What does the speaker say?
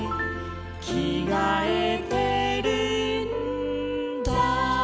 「きがえてるんだ」